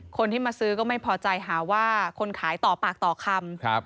คนที่มาซื้อก็ไม่พอใจหาว่าคนขายต่อปากต่อคำ